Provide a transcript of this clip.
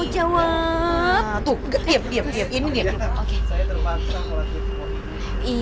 jangan siapa aja emosi